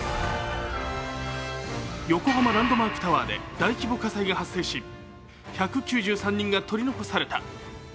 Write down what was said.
横浜ランドマークタワーで大規模火災が発生し、１９３人が取り残された。